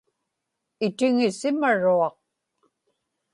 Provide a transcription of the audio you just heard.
itiŋisimaruaq